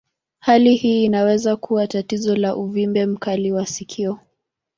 Hali hii inaweza kuwa tatizo la uvimbe mkali wa sikio.